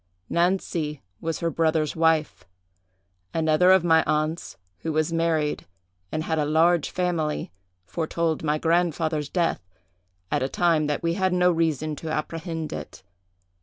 Nancy was her brother's wife. Another of my aunts, who was married and had a large family, foretold my grandfather's death, at a time that we had no reason to apprehend it.